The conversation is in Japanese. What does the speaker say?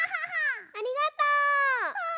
ありがとう！